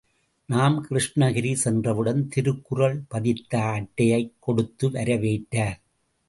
நாம் கிருஷ்ணகிரி சென்றவுடன் திருக்குறள் பதித்த அட்டையைக் கொடுத்து வரவேற்றார்.